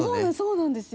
そうなんですよ。